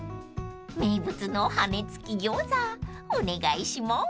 ［名物の羽根付き餃子お願いします］